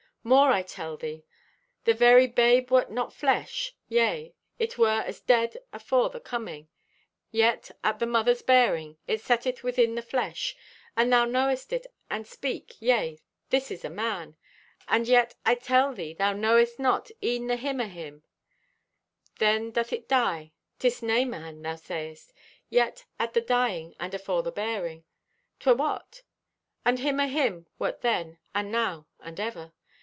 "More I tell thee. Thy very babe wert not flesh; yea, it were as dead afore the coming. Yet, at the mother's bearing, it setteth within the flesh. And thou knowest it and speak, yea, this is a man. And yet I tell thee thou knowest not e'en the him o' him! Then doth it die, 'tis nay man, thou sayest. Yet, at the dying and afore the bearing, 'twer what? The him o' him wert then, and now, and ever.